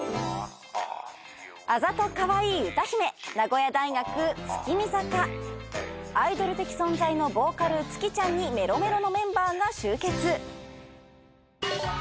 あざとカワイイ歌姫名古屋大学月見坂アイドル的存在のボーカルつきちゃんにメロメロのメンバーが集結。